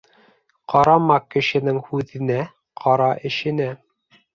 Ҡарама кешенең һүҙенә, ҡара эшенә.